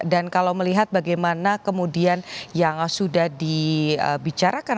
dan kalau melihat bagaimana kemudian yang sudah dibicarakan